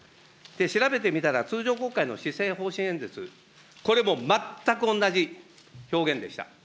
調べてみたら、通常国会の施政方針演説、これも全く同じ表現でした。